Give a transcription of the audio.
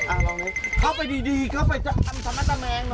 อ่าลองดูเข้าไปดีเท้าไปมันจะไมาส์แมงหน่อย